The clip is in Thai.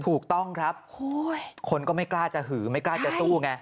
ถูกต้องครับคนก็ไม่กล้าจะหือไม่กล้าจะสู้ไง